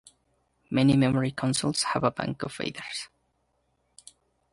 Many memory consoles have a bank of faders.